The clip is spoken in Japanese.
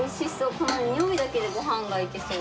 この匂いだけでご飯がいけそう。